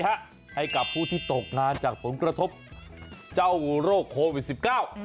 ให้กับผู้ที่ตกงานจากผลกระทบเจ้าโรคโควิดสิบเก้า